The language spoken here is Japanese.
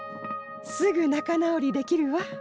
すぐ仲直りできるわ。